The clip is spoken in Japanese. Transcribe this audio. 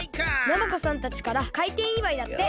ナマコさんたちからかいてんいわいだって。